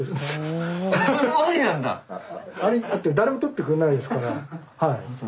ありって誰も採ってくれないですからはい。